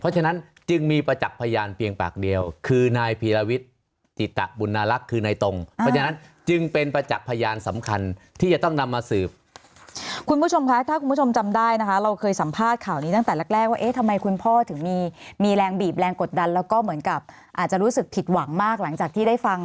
เพราะฉะนั้นจึงมีประจักษ์พยานเพียงปากเดียวคือนายพีรวิทย์จิตบุญนาลักษณ์คือนายตรงเพราะฉะนั้นจึงเป็นประจักษ์พยานสำคัญที่จะต้องนำมาสืบคุณผู้ชมคะถ้าคุณผู้ชมจำได้นะคะเราเคยสัมภาษณ์ข่าวนี้ตั้งแต่แรกแรกว่าเอ๊ะทำไมคุณพ่อถึงมีมีแรงบีบแรงกดดันแล้วก็เหมือนกับอาจจะรู้สึกผิดหวังมากหลังจากที่ได้ฟัง